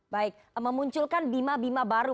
baik memunculkan bima bima baru